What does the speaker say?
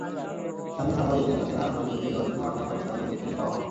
স্থানীয় সাংবাদিকদের কাছে হারানো বিজ্ঞপ্তি দেওয়ার জন্য আট-নয় মাস আগে গিয়েছিলেন বাবা-মা।